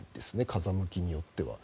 風向きによっては。